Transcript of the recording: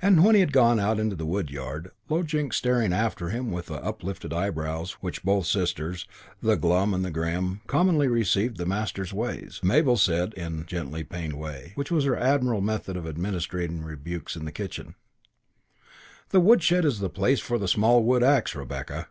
And when he had gone out into the wood yard, Low Jinks staring after him with the uplifted eyebrows with which both sisters, the glum and the grim, commonly received the master's "ways", Mabel said in the gently pained way which was her admirable method of administering rebukes in the kitchen: "The woodshed is the place for the small wood axe, Rebecca."